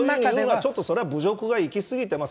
ちょっとそれは侮辱がいきすぎてます。